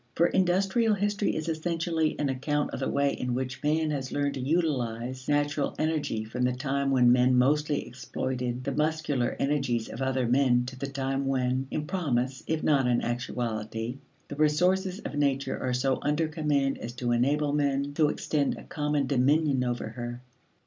For industrial history is essentially an account of the way in which man has learned to utilize natural energy from the time when men mostly exploited the muscular energies of other men to the time when, in promise if not in actuality, the resources of nature are so under command as to enable men to extend a common dominion over her.